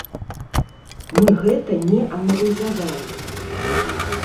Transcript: Мы гэта не аналізавалі.